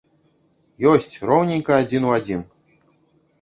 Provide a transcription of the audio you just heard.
Ёсць, роўненька адзін у адзін.